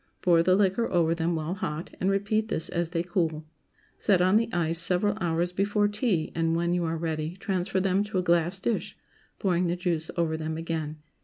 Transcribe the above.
Pour the liquor over them while hot, and repeat this as they cool. Set on the ice several hours before tea, and, when you are ready, transfer them to a glass dish, pouring the juice over them again.